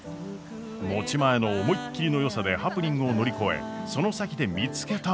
持ち前の思いっきりのよさでハプニングを乗り越えその先で見つけたもの。